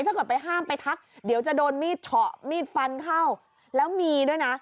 ถ้าเกิดไปห้ามไปทักเดี๋ยวจะโดนมีดเฉาะมีดฟันเข้าแล้วมีด้วยนะ